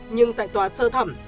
nhưng tại tòa sơ thẩm